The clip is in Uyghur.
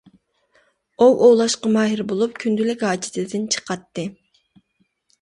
ئوۋ ئوۋلاشقا ماھىر بولۇپ، كۈندىلىك ھاجىتىدىن چىقاتتى.